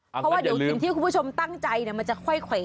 เพราะว่าเดี๋ยวสิ่งที่คุณผู้ชมตั้งใจมันจะค่อยแขวะ